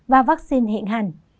và vaccine hiện hành